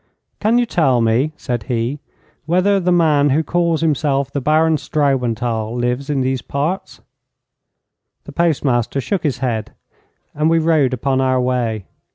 'Can you tell me,' said he, 'whether the man who calls himself the Baron Straubenthal lives in these parts?' The postmaster shook his head, and we rode upon our way.